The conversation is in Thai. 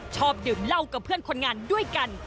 ชอบดื่มเหล้ากับเพื่อนคนงานด้วยกัน